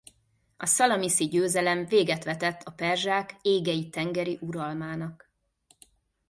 A szalamiszi győzelem véget vetett a perzsák égei-tengeri uralmának.